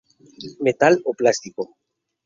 Metal o plástico.